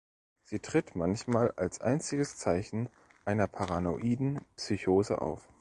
Sie tritt manchmal als einziges Zeichen einer paranoiden Psychose auf.